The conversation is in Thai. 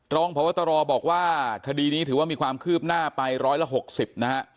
รองพวตรบอกว่าคดีนี้ถือว่ามีความคืบหน้าไปร้อยละ๖๐นะครับ